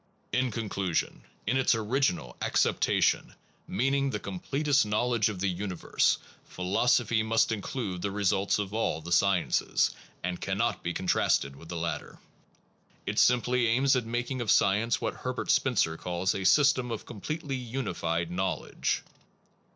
In conclusion. In its original acceptation, meaning the completest knowledge of the uni Phiioso verse, philosophy must include the meta* 8 results of all the sciences, and cannot physics be . contrasted with the latter. It simply aims at making of science what Herbert Spencer calls a * system of completely unified knowledge.